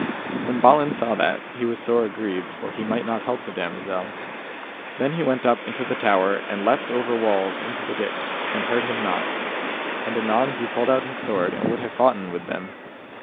When Balin saw that, he was sore aggrieved, for he might not help the damosel. Then he went up into the tower, and leapt over walls into the ditch, and hurt him not; and anon he pulled out his sword and would have foughten with them.